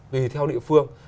tùy theo địa phương